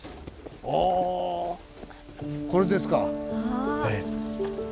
あこれですか。